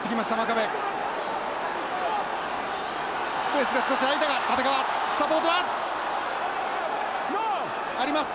スペースが少し空いたが立川サポートは。あります。